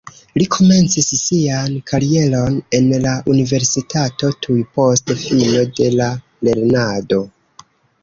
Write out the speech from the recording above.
Li komencis sian karieron en la universitato tuj post fino de la lernado.